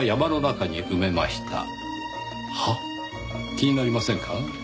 気になりませんか？